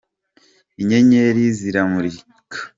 Inyenyeri ziramurika.